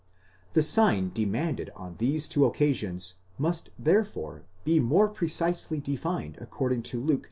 Thesign demanded on these two occasions must therefore be more precisely defined according to Luke xi.